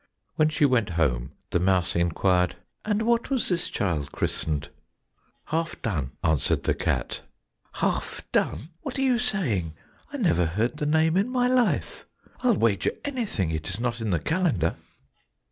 When she went home the mouse inquired, "And what was this child christened?" "Half done," answered the cat. "Half done! What are you saying? I never heard the name in my life, I'll wager anything it is not in the calendar!"